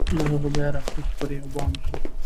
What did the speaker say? له هغه ځایه را کوز پر یوه بام سو